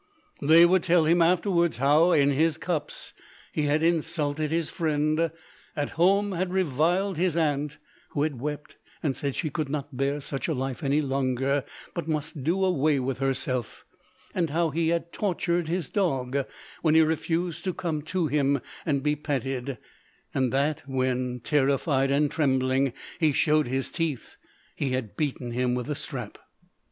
They would tell him afterwards how in his cups he had insulted his friend; at home had reviled his Aunt, who had wept and said she could not bear such a life any longer, but must do away with herself; and how he had tortured his dog, when he refused to come to him and be petted; and that when, terrified and trembling, he showed his teeth, he had beaten him with a strap.